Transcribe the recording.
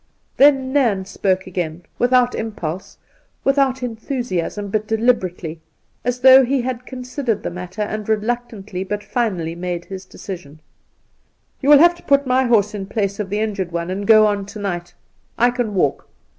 Then Nairn spoke again — without impulsej without enthusiasm, but deliberately, as though he had considered the matter and reluctantly but finally made his decision. ' You will have to put my horse in place of the injured one, and go on to night. I can walk.'